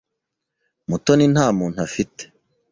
Mutoni nta muntu afite.